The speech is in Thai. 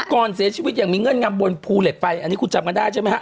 ก่อนเสียชีวิตอย่างมีเงื่อนงำบนภูเหล็กไฟอันนี้คุณจำกันได้ใช่ไหมฮะ